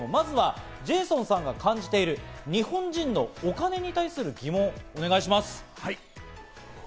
まずはジェイソンさんが感じている、日本人のお金に対する疑問、お願いします。